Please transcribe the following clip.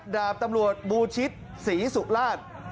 ดาบตำรวจบูชิตศรีสุราช